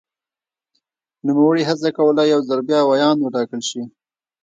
نوموړي هڅه کوله یو ځل بیا ویاند وټاکل شي.